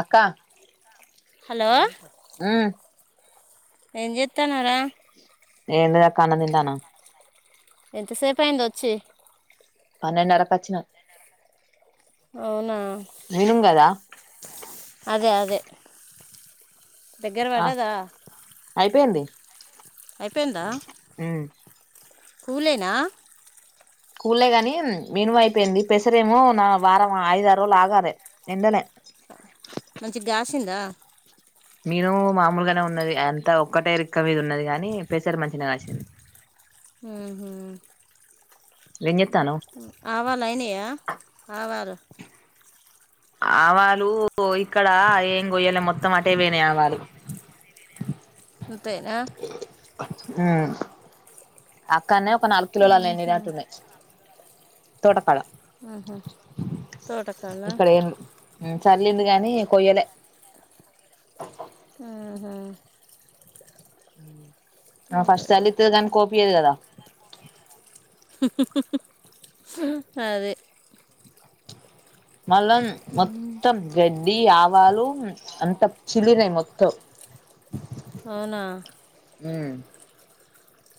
అక్క హలో ఆ ఏం చెతానారు ఏంలేదాకా అన్నం తింటాన ఎంత సేపు అయింది వచ్చి పన్నెడున్నారా కొచ్చిన అవునా కదా అదే అదే దగ్గర ఆ పడ్డదా అయిపోయిందా హ్మ్మ్ కూలేనా కూలే గాని మినుము అయిపోయింది పెసరేమో నా వారం ఐదు ఆరు రోజులు ఆగాలే ఎండనే మంచి గాసిందా మీనుము మామూలుగానే ఉన్నది అంతా ఒక్కటై రక్క మీది ఉన్నది కాగాని పసారు మంచినే కాసింది హ హుమ్ లింగ్ ఆవాలైనేయా ఆవాలు ఆవాలు ఇక్కడ ఏం కొయ్యాలి మొత్తం అటే పోయినై ఆవాలు అంతేన అక్కనే ఒక నాలుగు కిలోల ఊహు, ఎండినట్టు ఉన్నాయి తోటపాల అహ్మ్మ్ తోటపల చల్లిండు గానీ కొయ్యలే అహ్మ్మ్ ఆ ఫస్ట్ అదేలే. చెల్లిస్తది కానీ కోపియదు కదా అదే మళ్ళం మొత్తం గడ్డి ఆకు వాళ్ళు అంత చిల్లినయి మొత్తం అవునా హుమ్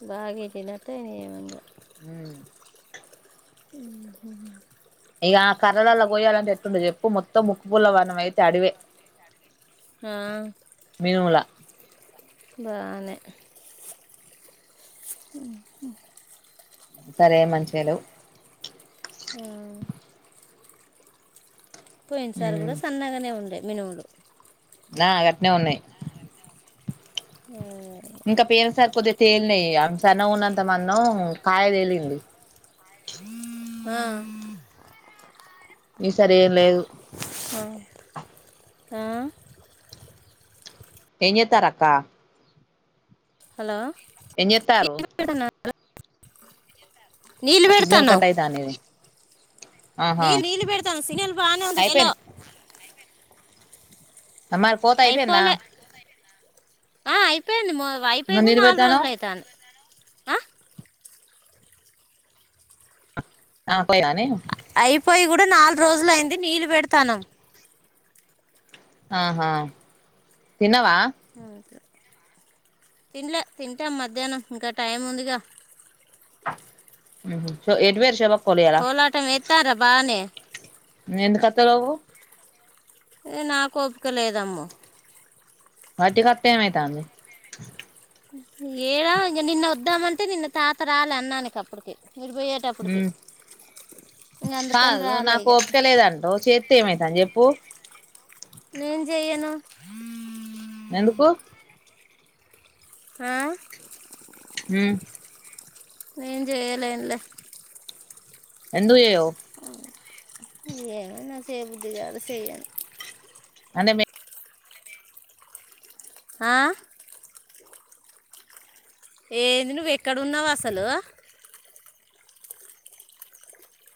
లగేకి లేతే ఏమిరావ్ ఉమ్ ఊహ్మ్మ్ ఇక కర్రలలా కోయాలంటే అట్లుంటది చెప్పు మొత్తం ముక్కు పూల వనం అయితే అడివే ఆ మినుముల బానే హ్మ్ హ్మ్ సరే మంచిగలేవు ఆ పోయినసారి కూడా, ఉమ్ సన్నగానే ఉండే మినుములు. నా గట్నే ఉన్నాయి. ఇంకా పేరు సార్ కొద్దిగా తేలినయి సన్నగా, ఉన్నంత మందం కాయ తేలింది. మ్మ ఈ సారి ఎమ్ లేదు ఆ. ఎమ్ చేతారూ అక్క హలో ఏం చేతరు నీళ్ళు నీలు సిగ్నల్ పెడతానావ్ కట్ అయితాంది ఇది ఆహా నీళ్లు నీళ్లు పెడతానామ్, సిగ్నెల్ బానే ఉంది హలో. అయిపోయింది మరి కోత అయిపోయిందా. అయిపోలే ఆ అయిపోయింది అయిపోయి మరి కూడా నీళ్ళు నాలుగు పెడతానవ్ రోజులు అవుతాంది. ఆ పో కానీ అయిపోయి కూడా నాలుగు రోజులు అయింది. నీళ్లు పెడత్తనామ్ ఆహా తిన్నావ్ తినలే తింటాం, మధ్యాహ్నం ఇంకా టైం ఉందిగా. ఏటు పోయిండ్రు షేబాక్ కోలాటం ఎత్తారా బానే నువ్వు ఎందుకు వోత్తలేవు ఏ నాకు ఓపికలేదామ్మ వట్టిగా వస్తే ఏమైతంది ఏడా ఇంక నిన్న వద్దామంటే నిన్న తాత రాలే అన్నానికి అప్పటికి. నువ్వు పొయ్యేటప్పుడికి ఉమ్ కాదు నాకు ఒపికలేదంటవ్ చేస్తే ఏమైతాంది చెప్పు నేను చెయను హుమ్మ్ ఎందుకు ఆ హుమ్మ్ నేను చేయాలెన్లే ఎందుకు చెయ్యావ్ ఏమో నాకు చేయ బుద్ధి కాలే చేయలే అంటే మిక్ ఆ ఏంది నువ్వు ఎక్కడు ఉన్నావు అసలు.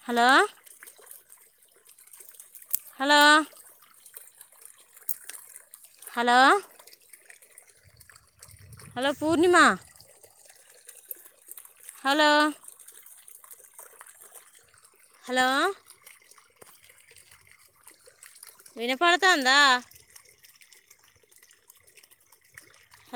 Hello hello hello hello Purnima hello hello వినపడుతాందా